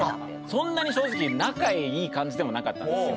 そんなに正直仲いい感じでもなかったんですよ。